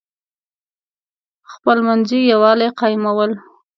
خپلمنځي یوالی قایمول.